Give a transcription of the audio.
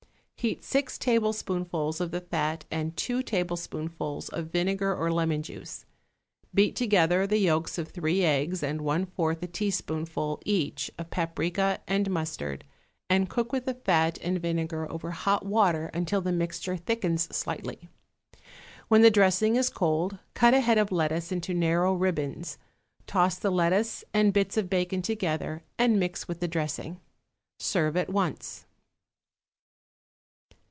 Heat six tablespoonfuls of the fat and two tablespoonfuls of vinegar or lemon juice; beat together the yolks of three eggs and one fourth a teaspoonful, each, of paprica and mustard, and cook with the fat and vinegar over hot water until the mixture thickens slightly. When the dressing is cold cut a head of lettuce into narrow ribbons, toss the lettuce and bits of bacon together, and mix with the dressing. Serve at once.